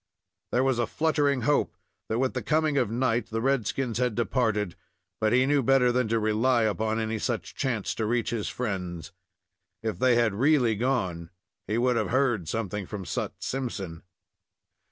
There was a fluttering hope that, with the coming of night, the red skins had departed, but he knew better than to rely upon any such chance to reach his friends. If they had really gone, he would have heard something from Sut Simpson.